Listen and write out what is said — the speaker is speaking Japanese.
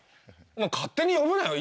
勝手に呼ぶなよ